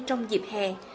trong dịp hè